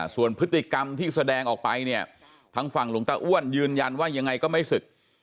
ส่วนพฤติกรรมที่แสดงออกไปเนี่ยทางฝั่งหลวงตาอ้วนยืนยันว่ายังไงก็ไม่ศึก